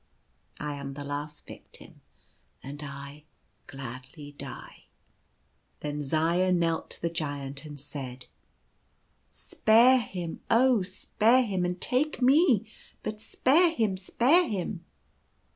I am the last victim, and I gladly die." Then Zaya knelt to the Giant, and said : "Spare him ! oh ! spare him and take me ! but spare him ! spare him!